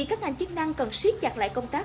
các ngành chức năng cần siết chặt lại công tác